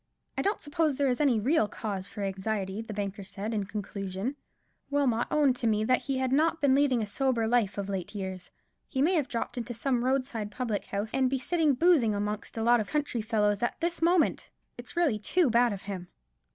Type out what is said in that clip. "I don't suppose there is any real cause for anxiety," the banker said, in conclusion; "Wilmot owned to me that he had not been leading a sober life of late years. He may have dropped into some roadside public house and be sitting boozing amongst a lot of country fellows at this moment. It's really too bad of him."